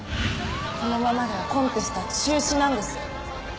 このままではコンテストは中止なんです。